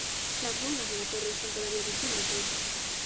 Las ruinas de la torre son todavía visibles hoy.